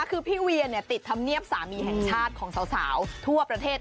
คือพี่เวียติดธรรมเนียบสามีแห่งชาติของสาวทั่วประเทศ